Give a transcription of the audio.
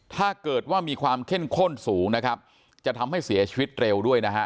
ถ้าเกิดว่ามีความเข้มข้นสูงนะครับจะทำให้เสียชีวิตเร็วด้วยนะฮะ